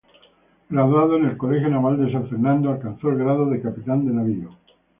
Graduado en Colegio Naval de San Fernando alcanzó el grado de capitán de navío.